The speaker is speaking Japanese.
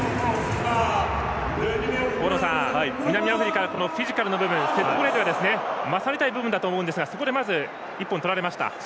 大野さん、南アフリカはフィジカルの部分セットプレーから勝りたい部分だと思うんですがそこでまず１本取られました。